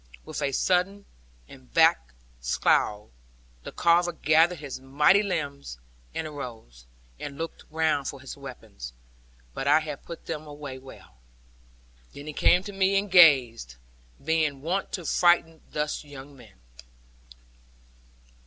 With a sullen and black scowl, the Carver gathered his mighty limbs, and arose, and looked round for his weapons; but I had put them well away. Then he came to me and gazed; being wont to frighten thus young men.